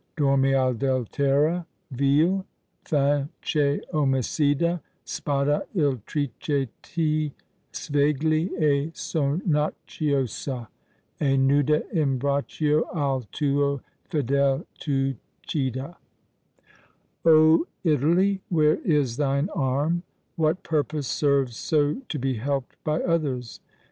Dormi, Adultera vil! fin che omicida Spada ultrice ti svegli, e sonnacchiosa, E nuda in braccio al tuo fedel t'uccida! Oh, Italy! where is thine arm? What purpose serves So to be helped by others?